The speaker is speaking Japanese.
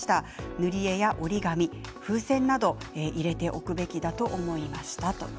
塗り絵や折り紙、風船など入れておくべきだと思いましたと。